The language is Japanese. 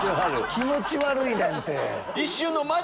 気持ち悪いねんて！